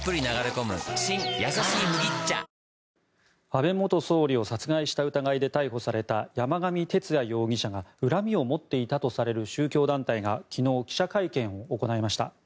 安倍元総理を殺害した疑いで逮捕された山上徹也容疑者が恨みを持っていたとされる宗教団体が昨日、記者会見を行いました。